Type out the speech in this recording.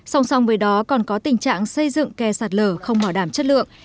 song song với đó còn có tình trạng xây dựng kè sạt lở không bảo đảm chất lượng